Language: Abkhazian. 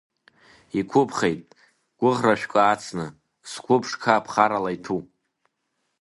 Иқәыԥхеит гәыӷра-шәкы ацны, згәы ԥшқа ԥхарала иҭәу.